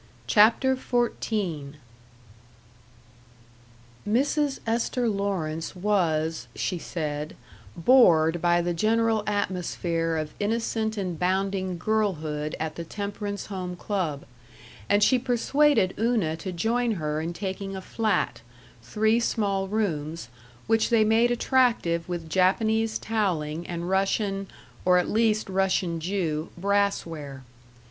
CHAPTER XIV Mrs. Esther Lawrence was, she said, bored by the general atmosphere of innocent and bounding girlhood at the Temperance Home Club, and she persuaded Una to join her in taking a flat three small rooms which they made attractive with Japanese toweling and Russian, or at least Russian Jew, brassware.